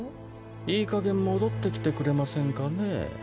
いいかげん戻ってきてくれませんかねぇ。